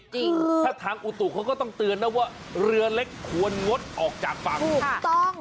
จริงถ้าทางอุตุเขาก็ต้องเตือนนะว่าเรือเล็กควรงดออกจากฝั่งถูกต้อง